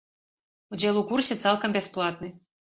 Удзел у курсе цалкам бясплатны.